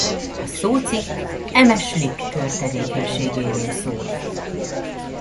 A szócikk eme Schlick-kör tevékenységéről szól.